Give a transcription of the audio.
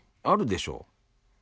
あるでしょ。